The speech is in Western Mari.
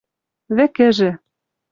вӹкӹжӹ